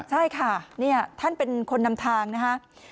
ใช่ค่ะนี่ท่านเป็นคนนำทางนะคะ